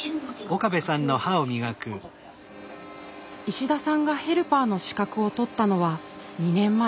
石田さんがヘルパーの資格を取ったのは２年前。